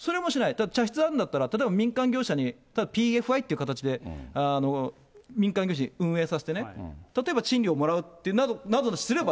だって茶室あるんだったら、例えば民間業者にＰＦＩという形で、民間業者に運営させてね、例えば賃料もらうなどをすれば。